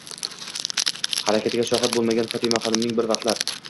harakatiga shohid bo'lmagan Fotimaxonimning bir vaqtlar